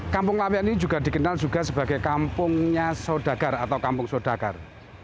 kampung lawian ini juga dikenal juga sebagai kampungnya saudagar atau kampung saudagar